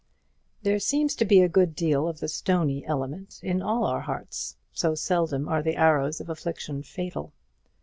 There seems to be a good deal of the stony element in all our hearts, so seldom are the arrows of affliction fatal.